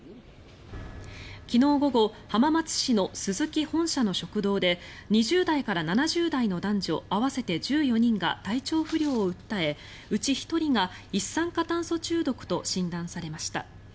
昨日午後浜松市のスズキ本社の食堂で２０代から７０代の男女合わせて１４人が体調不良を訴えうち１人が一酸化炭素中毒と診断されました。